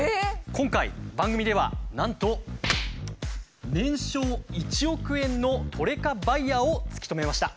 今回番組ではなんと年商１億円のトレカバイヤーを突き止めました。